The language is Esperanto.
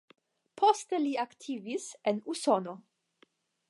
Poste li aktivis en Usono.